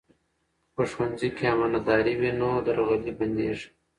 که په ښوونځي کې امانتداري وي، نو درغلي بندېږي.